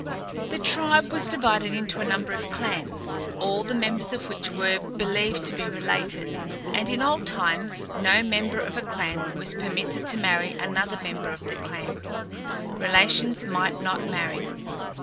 The tribe was divided into a number of clans, all the members of which were believed to be related, and in old times no member of a clan was permitted to marry another member of the clan. Relations might not marry.